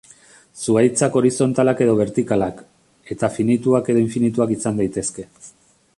Zuhaitzak horizontalak edo bertikalak, eta finituak edo infinituak izan daitezke.